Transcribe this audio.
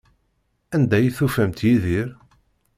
Anda ay tufamt Yidir?